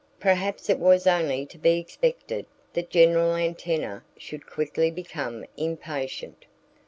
Perhaps it was only to be expected that General Antenna should quickly become impatient.